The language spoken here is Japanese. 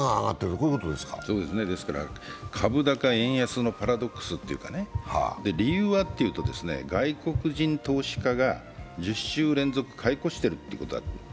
そうですね、株高・円安のパラドックスというか、理由はというと、外国人投資家が１０週連続買い越しているということだと思います。